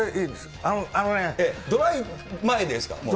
ドライ前ですか？